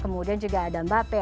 kemudian juga ada mbappe